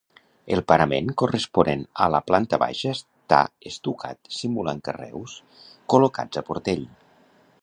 El parament corresponent a la planta baixa està estucat simulant carreus col·locats a portell.